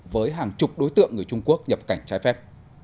với hàng chục đối tượng người trung quốc nhập cảnh trái phép